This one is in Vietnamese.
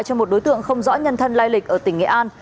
cho một đối tượng không rõ nhân thân lai lịch ở tỉnh nghệ an